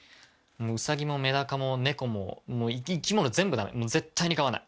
ウサギもメダカもネコももう生き物全部ダメ絶対に飼わない。